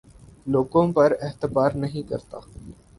لوگوں پر اعتبار نہیں کرتا